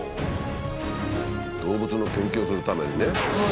動物の研究をするためにね。